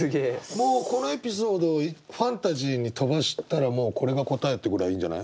もうこのエピソードファンタジーに飛ばしたらもうこれが答えってぐらいいいんじゃない？